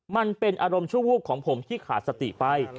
มันเป็นอารมณ์ชั่ววูบของผมที่ขาดสติไป